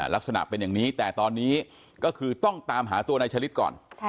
ลักษณะเป็นอย่างนี้แต่ตอนนี้ก็คือต้องตามหาตัวนายชะลิดก่อน